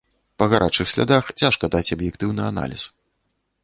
Па гарачых слядах цяжка даць аб'ектыўны аналіз.